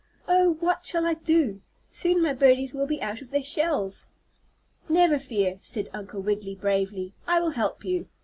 Oh, what shall I do? Soon my birdies will be out of the shells." "Never fear!" said Uncle Wiggily, bravely. "I will help you.